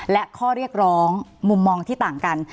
และข้อเรียกร้องมุมมองที่ต่างกัน